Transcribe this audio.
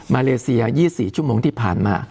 เลเซีย๒๔ชั่วโมงที่ผ่านมา